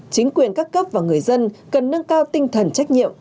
chính quyền các cấp và người dân cần nâng cao tinh thần trách nhiệm